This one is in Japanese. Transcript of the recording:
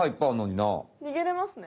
にげれますね。